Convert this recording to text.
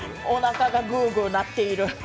おなかがグーグー鳴っている。